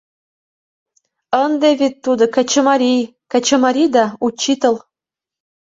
Ынде вет тудо качымарий, качымарий да... учитыл!